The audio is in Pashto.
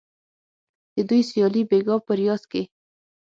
د دوی سیالي بیګا په ریاض کې